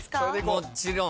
もちろん。